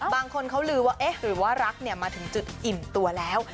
บางคนเขาลือว่าเอ๊ะหรือว่ารักมาถึงจุดอิ่มตัวแล้ว